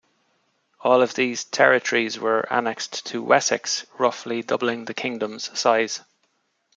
All of these territories were annexed to Wessex, roughly doubling the kingdom's size.